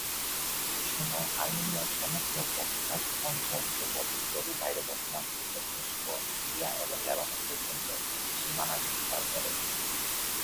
এসময় আর্মেনিয়া সমগ্র ককেসাস অঞ্চল তো বটেই, এরও বাইরে বর্তমান পূর্ব তুরস্ক, সিরিয়া এবং লেবানন পর্যন্ত সীমানা বিস্তার করে।